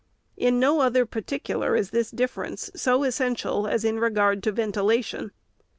In no other particular is this difference so essential as in regard to ventilation.